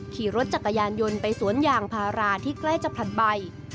ขี่รถจักรยานยนต์ไปสวนยางพาราที่ใกล้จะผลัดใบ